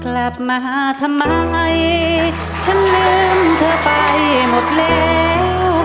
กลับมาทำไมฉันลืมเธอไปหมดแล้ว